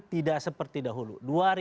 tidak seperti dahulu